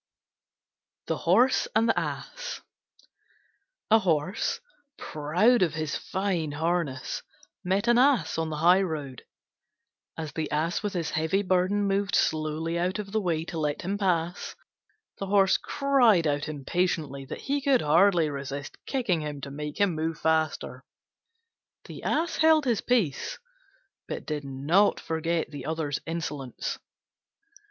THE HORSE AND THE ASS A Horse, proud of his fine harness, met an Ass on the high road. As the Ass with his heavy burden moved slowly out of the way to let him pass, the Horse cried out impatiently that he could hardly resist kicking him to make him move faster. The Ass held his peace, but did not forget the other's insolence.